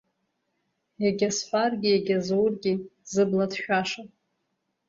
Егьа сҳәаргьы, егьа зургьы, зыбла ҭшәаша…